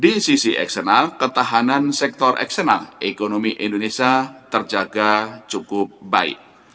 di sisi eksternal ketahanan sektor eksternal ekonomi indonesia terjaga cukup baik